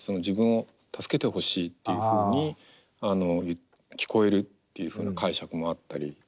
自分を助けてほしいっていうふうに聞こえるっていうふうな解釈もあったり。